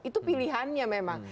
itu pilihannya memang